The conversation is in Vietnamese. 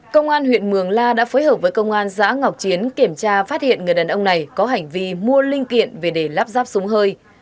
công an huyện mường la đã phối hợp với công an giã ngọc chiến kiểm tra phát hiện người đàn ông này có hành vi mua linh kiện về để lắp ráp súng hơi